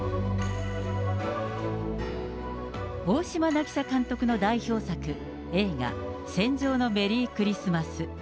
大島渚監督の代表作、映画、戦場のメリークリスマス。